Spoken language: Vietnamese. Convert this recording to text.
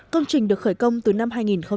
công trình được khởi công từ năm hai nghìn một mươi